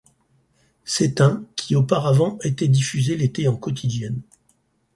C'est un qui auparavant était diffusé l'été en quotidienne.